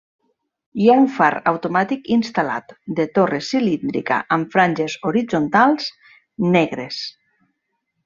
Hi ha un far automàtic instal·lat, de torre cilíndrica amb franges horitzontals negres.